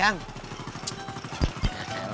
jangan lari lo